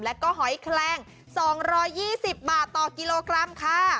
แล้วก็หอยแคลง๒๒๐บาทต่อกิโลกรัมค่ะ